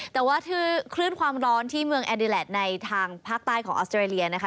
แต่ว่าคือคลื่นความร้อนที่เมืองแอดิแลตในทางภาคใต้ของออสเตรเลียนะคะ